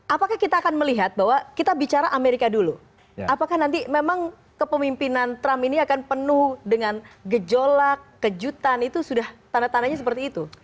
apakah kita akan melihat bahwa kita bicara amerika dulu apakah nanti memang kepemimpinan trump ini akan penuh dengan gejolak kejutan itu sudah tanda tandanya seperti itu